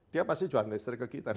dia pasti jual listrik ke kita nanti